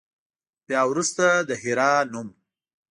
بیا وروسته د حرا نوم.